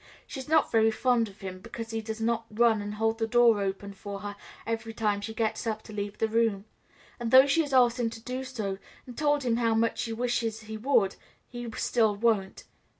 She is not very fond of him, because he does not run and hold the door open for her every time she gets up to leave the room; and though she has asked him to do so, and told him how much she wishes he would, he still won't.